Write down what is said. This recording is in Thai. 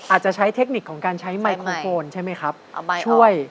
อาจจะใช้เทคนิคของการใช้ไมโครโฟนใช่ไหมครับช่วย